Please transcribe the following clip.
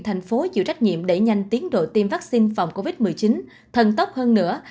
thành phố chịu trách nhiệm đẩy nhanh tiến độ tiêm vaccine phòng covid một mươi chín thần tốc hơn nữa